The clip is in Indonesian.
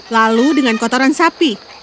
lalu dengan kotoran sapi